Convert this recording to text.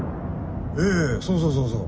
ええそうそうそうそう。